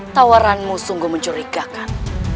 tawaranmu sungguh mencurigakan